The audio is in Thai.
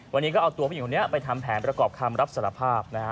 วันนี้ก็เอาตัวผู้หญิงคนนี้ไปทำแผนประกอบคำรับสารภาพนะฮะ